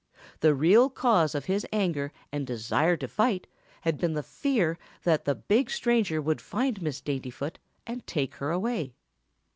The real cause of his anger and desire to fight had been the fear that the big stranger would find Miss Daintyfoot and take her away.